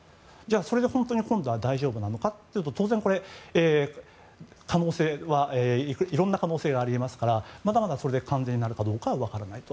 それで本当に今度は大丈夫なのかというと当然、いろんな可能性があり得ますからまだまだそれで完全になるかは分からないと。